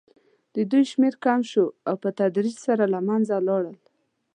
د دوی شمېر کم شو او په تدریج سره له منځه لاړل.